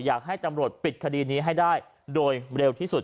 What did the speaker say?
อยากให้ตำรวจปิดคดีนี้ให้ได้โดยเร็วที่สุด